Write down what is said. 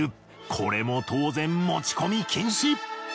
これも当然持ち込み禁止。